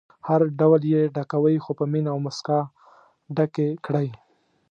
هر ډول یې ډکوئ خو په مینه او موسکا ډکې کړئ.